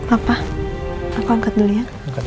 apa aku angkat dulu ya